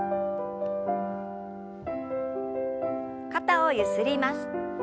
肩をゆすります。